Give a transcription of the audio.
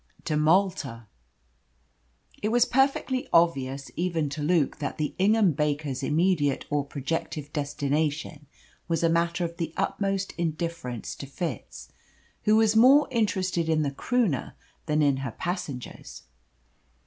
"To Malta." It was perfectly obvious, even to Luke, that the Ingham Bakers' immediate or projective destination was a matter of the utmost indifference to Fitz, who was more interested in the Croonah than in her passengers.